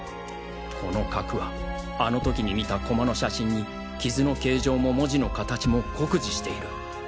この角はあの時に見た駒の写真に傷の形状も文字の形も酷似している。